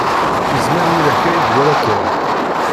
Izmer yella kra i iwala Tom.